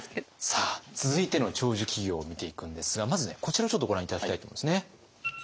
さあ続いての長寿企業を見ていくんですがまずこちらをちょっとご覧頂きたいと思うんですね。